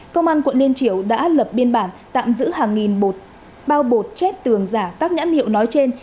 công an quận liên triều đã lập biên bản tạm giữ hàng nghìn bột bao bột chết tường giả các nhãn hiệu nói trên